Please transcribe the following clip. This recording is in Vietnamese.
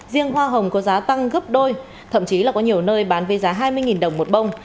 riêng hoa hồng có giá tăng gấp đôi thậm chí là có nhiều nơi bán với giá hai mươi đồng một bông